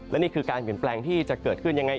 และนี่คือการเปลี่ยนแปลงที่จะเกิดขึ้นยังไง